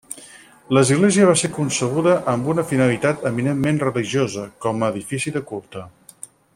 L'església va ser concebuda amb una finalitat eminentment religiosa, com a edifici de culte.